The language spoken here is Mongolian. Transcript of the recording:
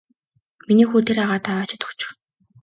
Миний хүү тэр агаадаа аваачаад өгчих.